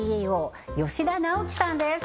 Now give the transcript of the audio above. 吉田直樹さんです